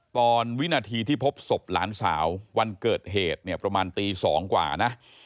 วินาทีที่พบศพหลานสาววันเกิดเหตุเนี่ยประมาณตี๒กว่านะ